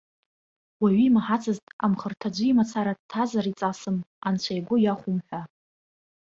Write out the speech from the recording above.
Уаҩы имаҳацызт, амхырҭа аӡәы имацара дҭазар иҵасым, анцәа игәы иахәом ҳәа.